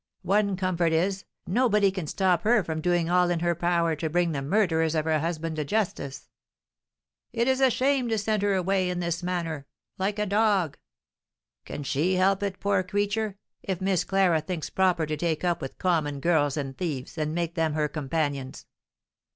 "One comfort is, nobody can stop her from doing all in her power to bring the murderers of her husband to justice." "It is a shame to send her away in this manner, like a dog!" "Can she help it, poor creature, if Miss Clara thinks proper to take up with common girls and thieves, and make them her companions?"